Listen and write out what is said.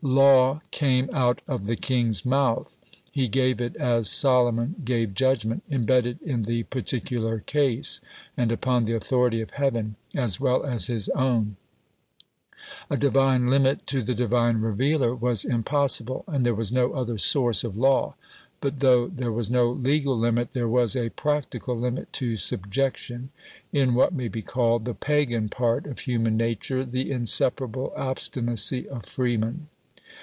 Law "came out of the king's mouth"; he gave it as Solomon gave judgment embedded in the particular case, and upon the authority of Heaven as well as his own. A Divine limit to the Divine revealer was impossible, and there was no other source of law. But though there was no legal limit, there was a practical limit to subjection in (what may be called) the pagan part of human nature the inseparable obstinacy of freemen.